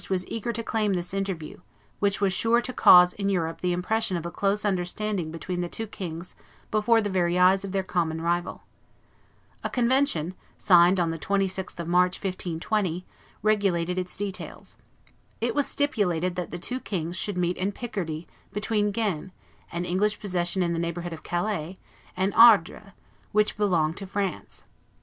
was eager to claim this interview, which was sure to cause in Europe the impression of a close understanding between the two kings before the very eyes of their common rival. A convention, signed on the 26th of March, 1520, regulated its details. It was stipulated that the two kings should meet in Picardy between Guines, an English possession in the neighborhood of Calais, and Ardres, which belonged to France.